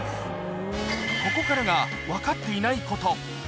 ここからが、分かっていないこと。